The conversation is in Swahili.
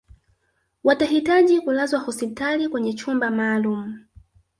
watahitaji kulazwa hospitali kwenye chumba maalum